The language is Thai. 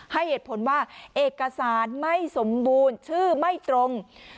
ให้เหตุผลว่าเอกสารไม่สมบูรณ์ชื่อไม่ตรง